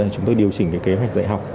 chúng tôi điều chỉnh kế hoạch dạy học